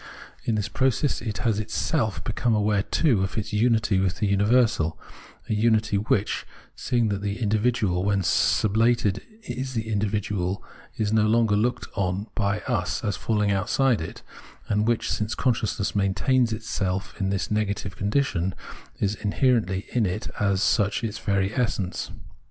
In this process it has itself become aware, too, of its xmity with the imiversal, a unity which, seeing that the individual when sub lated is the miiversal, is no longer looked on hy us as falling outside it, and which, since consciousness maintains itself in this its negative condition, is in herently in it as such its very essence.